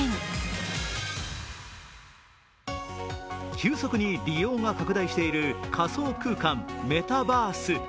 急速に利用が拡大している仮想空間メタバース。